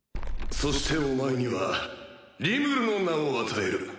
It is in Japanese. そしてお前には「リムル」の名を与える。